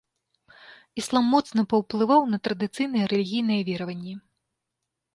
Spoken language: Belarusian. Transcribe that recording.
Іслам моцна паўплываў на традыцыйныя рэлігійныя вераванні.